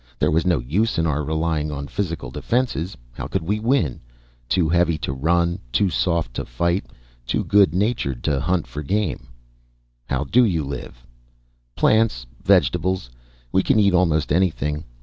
There was no use in our relying on physical defenses. How could we win? Too heavy to run, too soft to fight, too good natured to hunt for game " "How do you live?" "Plants. Vegetables. We can eat almost anything.